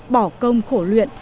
bỏ công khổ luyện